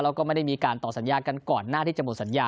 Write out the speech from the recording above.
แล้วก็ไม่ได้มีการต่อสัญญากันก่อนหน้าที่จะหมดสัญญา